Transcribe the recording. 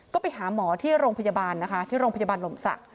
ก็ไปหาหมอที่โรงพยาบาลนะคะที่โรงพยาบาลลมศักดิ